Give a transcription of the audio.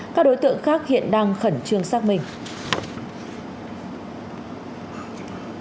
các đối tượng khác hiện đang khẩn trương xác minh